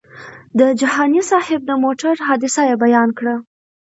د جهاني صاحب د موټر حادثه یې بیان کړه.